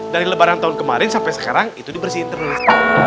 dari lebaran tahun kemarin sampai sekarang itu dibersihin ternak